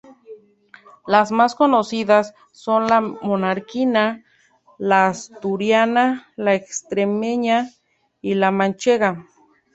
Las más conocidas son la menorquina, la asturiana, la extremeña y la manchega.